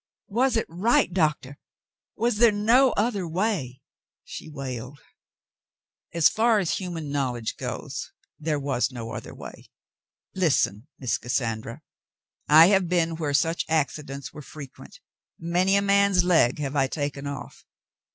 Was it right. Doctor ? Was there no other way ?" she wailed. "As far as human knowledge goes, there was no other wa3^ Listen, Miss Cassandra, I have been where such accidents were frequent. Many a man's leg have I taken off.